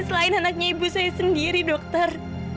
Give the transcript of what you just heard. selain anaknya ibu saya sendiri dokter